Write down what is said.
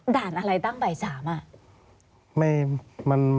ด่านอะไรตั้งบ่าย๓อ่ะ